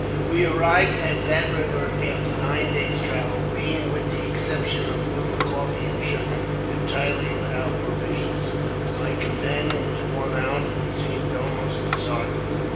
We arrived at that river after nine days* travel, being, with the exception of a little coffee and sugar, entirely without provisions. My companion was worn out, and seemed almost disheartened.